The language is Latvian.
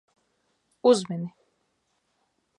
Uzmini.